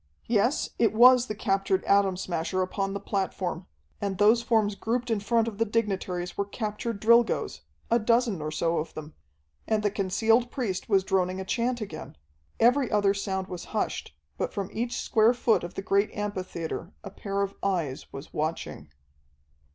Yes, it was the captured Atom Smasher upon the platform, and those forms grouped in front of the dignitaries were captured Drilgoes, a dozen or so of them. And the concealed priest was droning a chant again. Every other sound was hushed, but from each square foot of the great amphitheatre a pair of eyes was watching.